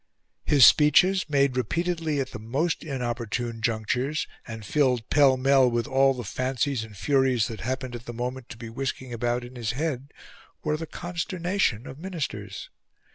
His speeches, made repeatedly at the most inopportune junctures, and filled pell mell with all the fancies and furies that happened at the moment to be whisking about in his head, were the consternation of Ministers.